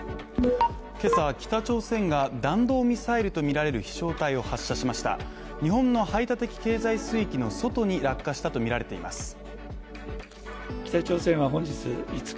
今朝、北朝鮮が弾道ミサイルとみられる飛翔体を発射しました排他的経済水域の外に落下したと推定されるということです。